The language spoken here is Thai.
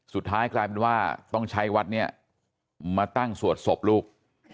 สุดท้ายกลายเป็นว่าต้องใช้วัดนี้มาตั้งสวดศพลูก